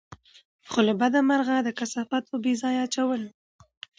خو له بده مرغه، د کثافاتو بېځايه اچول